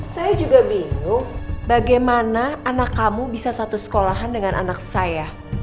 saya juga bingung bagaimana anak kamu bisa satu sekolahan dengan anak saya